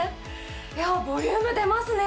いやボリューム出ますね！